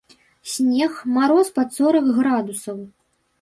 Снег, мароз пад сорак градусаў.